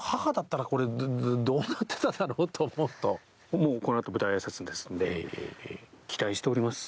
もうこのあと舞台あいさつですので期待しております。